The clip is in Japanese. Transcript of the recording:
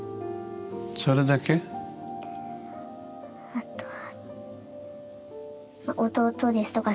あとは。